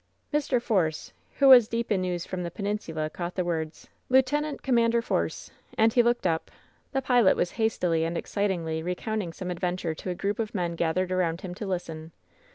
Mr. Force, who was deep in news from the peninsula, caught the words: ^^Lieut. Cora. Force.'' And he looked up. The pilot was hastily and excitedly recounting some adventure to a group of men gathered around him to listen.